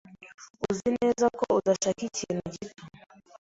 Uzi neza ko udashaka ikintu gito?